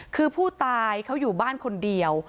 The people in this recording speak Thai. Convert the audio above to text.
คือผู้ตายเขาอยู่บ้านคนเดียว